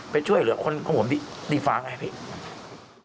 ไปช่วยเหลือคนของผมดีฟ้าไงพี่